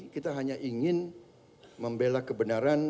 kita hanya ingin membela kebenaran